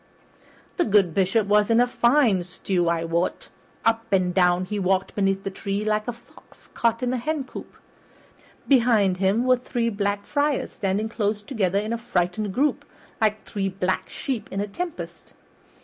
The good Bishop was in a fine stew, I wot. Up and down he walked beneath the tree like a fox caught in a hencoop. Behind him were three Black Friars standing close together in a frightened group, like three black sheep in a tempest.